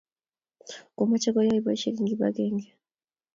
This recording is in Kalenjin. komache koyai poishek en kibagenge